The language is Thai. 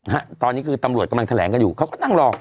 ฮะตอนนี้คือตำรวจกำลังแถลงกันอยู่เขาก็นั่งรอ